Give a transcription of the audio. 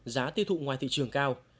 giá tiêu thụ ngoài thị trường cao